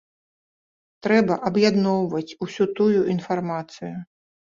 Трэба аб'ядноўваць усю тую інфармацыю.